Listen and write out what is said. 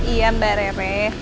iya mbak rere